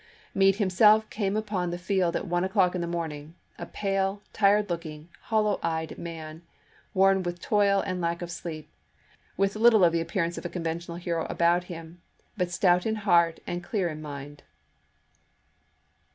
Meade himself came upon the juiy 2, 1863. field at one o'clock in the morning, a pale, tired looking, hollow eyed man, worn with toil and lack of sleep, with little of the appearance of a con ventional hero about him, but stout in heart and clear in mind.